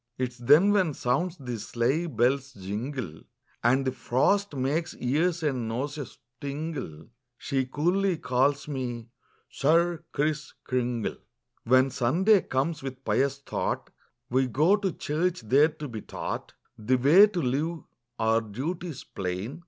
'Tis then when sounds the sleigh bell's jingle And the frost makes ears and noses tingle, She coolly calls me 'Sir Kriss Kringle.'" Copyrighted, 18U7 c^^aHEN Sunday comes, with pious thought We go to church, there to be taught The way to live, our duties plain.